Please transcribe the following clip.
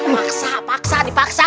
paksa paksa dipaksa